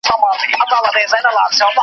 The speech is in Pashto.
په خبرو سره لمبه وه لکه اور وه .